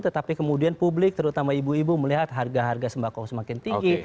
tetapi kemudian publik terutama ibu ibu melihat harga harga sembako semakin tinggi